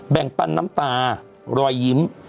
ปันน้ำตารอยยิ้ม